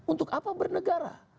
untuk apa bernegara